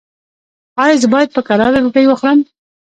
ایا زه باید په کراره ډوډۍ وخورم؟